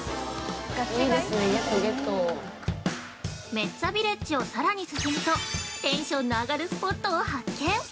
◆メッツァビレッジをさらに進むとテンションの上がるスポットを発見！